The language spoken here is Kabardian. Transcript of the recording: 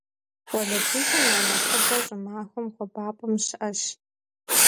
Къуалэбзухэм я нэхъыбэр щӀымахуэм хуабапӀэм щыӀэщ.